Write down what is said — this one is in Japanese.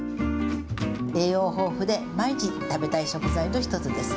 栄養豊富で、毎日食べたい食材の一つです。